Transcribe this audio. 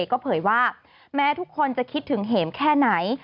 ก็เผยว่าแม้ทุกคนจะคิดถึงเห็มแค่ไหน